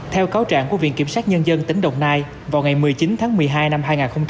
theo cáo trạng của viện kiểm sát nhân dân tỉnh đồng nai vào ngày một mươi chín tháng một mươi hai năm hai nghìn hai mươi ba